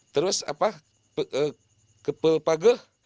terus apa ke pelpage